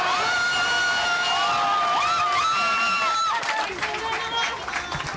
ありがとうございます！